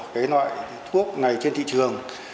cái loại thuốc này trên thị trường